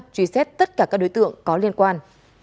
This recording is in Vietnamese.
truy xét tất cả các đối tượng có liên quan